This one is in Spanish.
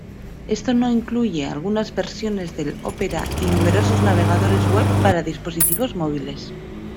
Esto no incluye algunas versiones del Opera y numerosos navegadores web para dispositivos móviles.